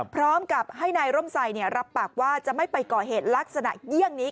พร้อมกับให้นายร่มใส่รับปากว่าจะไม่ไปก่อเหตุลักษณะเยี่ยงนี้